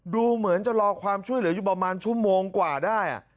ดูเหมือนจะรอความช่วยเหลืออยู่ประมาณชั่วโมงกว่าได้